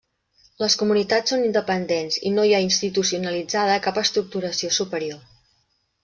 Les comunitats són independents i no hi ha institucionalitzada cap estructuració superior.